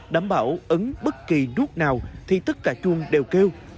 đảm bảo ấn bất kỳ nút nào thì tất cả chuông đều kêu